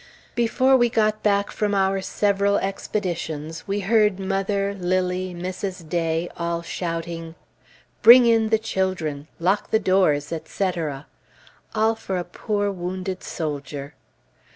Before we got back from our several expeditions, we heard mother, Lilly, Mrs. Day, all shouting, "Bring in the children! lock the doors!" etc. All for a poor wounded soldier!